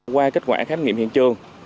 qua kết quả khám nghiệm hiện trường